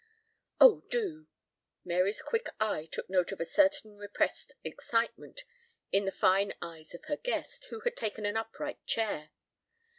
"Oh, do." Mary's quick eye took note of a certain repressed excitement in the fine eyes of her guest, who had taken an upright chair.